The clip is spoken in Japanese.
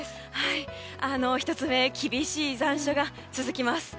１つ目、厳しい残暑が続きます。